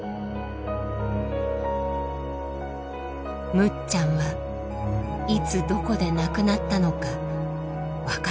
むっちゃんはいつどこで亡くなったのか分かっていません。